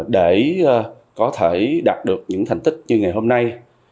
để có thể đạt được những thành tích như ngày hôm nay